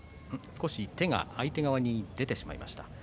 少し手が相手側に出てしまいました。